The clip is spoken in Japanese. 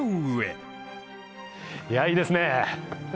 いやいいですね。